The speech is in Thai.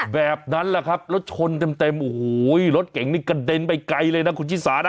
แบบนั้นแหละครับแล้วชนเต็มโอ้โหรถเก่งนี่กระเด็นไปไกลเลยนะคุณชิสานะ